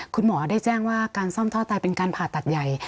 คุณหมอได้แจ้งว่าการซ่อมท่อไตเป็นการผ่าตัดใหญ่